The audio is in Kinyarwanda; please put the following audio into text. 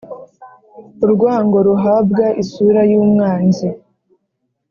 – urwango ruhabwa isura y' umwanzi,